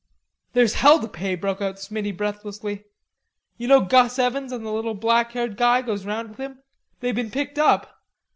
"There's hell to pay," broke out Smiddy breathlessly. "You know Gus Evans and the little black haired guy goes 'round with him? They been picked up.